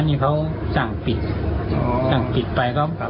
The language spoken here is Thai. มีเค้าสั่งปิดไป